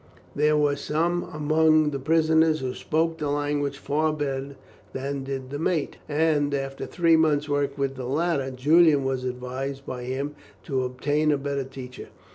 There were some among the prisoners who spoke the language far better than did the mate, and after three months' work with the latter, Julian was advised by him to obtain a better teacher.